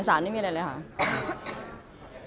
อเรนนี่มีหลังไม้ไม่มี